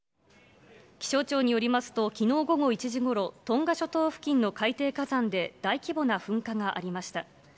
気象庁によりますと、きのう午後１時ごろ、トンガ諸島付近の海底火山で大規模な噴火がありました。